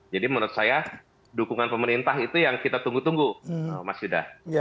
jadi menurut saya dukungan pemerintah itu yang kita tunggu tunggu mas yuda